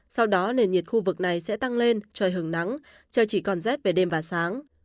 sau đó nền nhiệt khu vực này sẽ tăng lên trời hứng nắng trời chỉ còn rét về đêm và sáng